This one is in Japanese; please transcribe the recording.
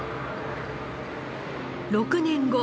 ６年後